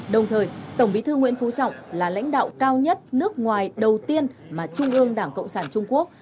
đồng thời tổng bí thư nguyễn phú trọng là lãnh đạo cao nhất nước ngoài đầu tiên mà trung ương đảng cộng sản trung quốc